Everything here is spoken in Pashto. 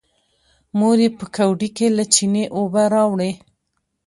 مور يې په ګوډي کې له چينې اوبه راوړې.